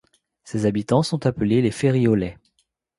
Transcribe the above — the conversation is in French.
Ses habitants sont appelés les Ferriolais.